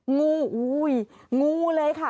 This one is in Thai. งูอุ้ยงูเลยค่ะ